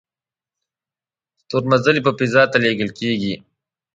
ستورمزلي په فضا ته لیږل کیږي